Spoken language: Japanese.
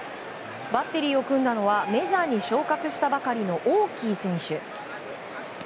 バッテリーを組んだのはメジャーに昇格したばかりのオーキー選手。